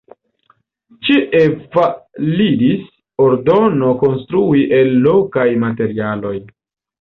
Ĉie validis ordono konstrui el lokaj materialoj.